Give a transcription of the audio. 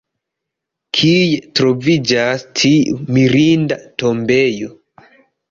Kie troviĝas tiu mirinda tombejo?